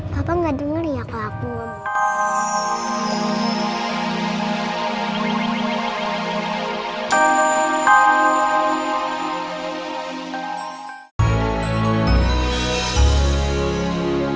papa gak denger ya kalau aku ngomong